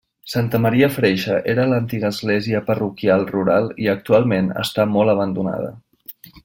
Santa Maria Freixe era l'antiga església parroquial rural i actualment està molt abandonada.